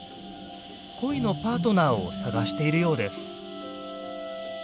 恋のパートナーを探しているようです。